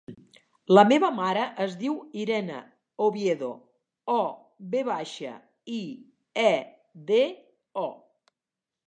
La meva mare es diu Irene Oviedo: o, ve baixa, i, e, de, o.